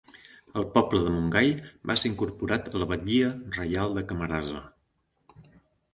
El poble de Montgai va ser incorporat a la batllia reial de Camarasa.